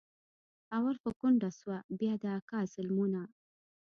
اول خو کونډه سوه بيا د اکا ظلمونه.